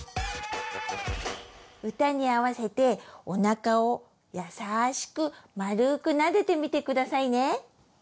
歌に合せておなかを優しくまるくなでてみてくださいね！